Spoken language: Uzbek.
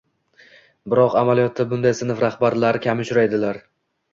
Biroq amaliyotda bunday sinf rahbarlari kam uchraydilar.